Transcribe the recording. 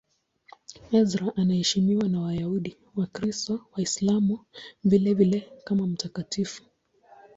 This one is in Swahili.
Ezra anaheshimiwa na Wayahudi, Wakristo na Waislamu vilevile kama mtakatifu.